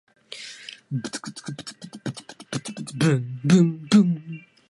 For example, the next address to be read or written.